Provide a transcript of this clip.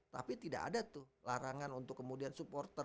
tapi tidak ada tuh larangan untuk kemudian supporter